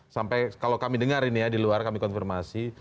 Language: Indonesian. sampai kalau kami dengar ini ya di luar kami konfirmasi